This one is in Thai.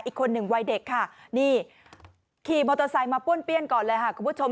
อีกคนหนึ่งวัยเด็กค่ะนี่ขี่มอเตอร์ไซค์มาป้วนเปี้ยนก่อนเลยค่ะคุณผู้ชม